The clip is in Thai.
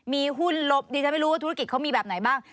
มีหุ้นลบดิฉันไม่รู้ว่าธุรกิจเขามีแบบไหนบ้าง